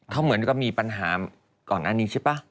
เขาเหมือนกับมีปัญหาก่อนหน้านี้ใช่ป่ะ